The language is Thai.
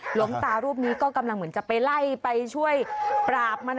หลวงตารูปนี้ก็กำลังเหมือนจะไปไล่ไปช่วยปราบมัน